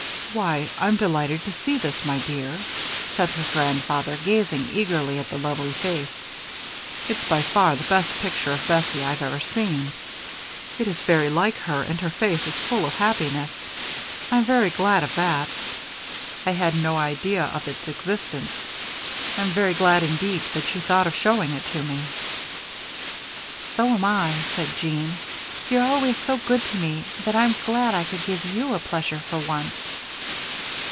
"Why, I'm delighted to see this, my dear," said her grandfather, gazing eagerly at the lovely face. "It's by far the best picture of Bessie I've ever seen. It is very like her and her face is full of happiness I'm very glad of that. I had no idea of its existence. I am very glad indeed that you thought of showing it to me." "So am I," said Jeanne. "You're always so good to me that I'm glad I could give you a pleasure for once."